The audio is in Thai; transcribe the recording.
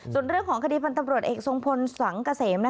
ส่วนเรื่องของคดีพันธ์ตำรวจเอกทรงพลสังเกษม